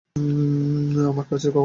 আমার কাছে কখনো মনে হয় না।